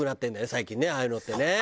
最近ねああいうのってね。